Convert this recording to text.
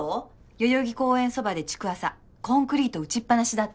代々木公園そばで築浅コンクリート打ちっぱなしだって。